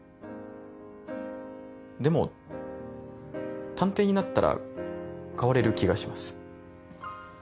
でも探偵になったら変われる気がします。